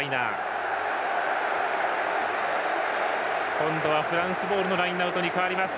今度はフランスボールのラインアウトに変わります。